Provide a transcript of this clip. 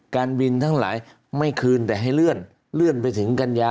การบินทั้งหลายไม่คืนแต่ให้เลื่อนเลื่อนไปถึงกันยา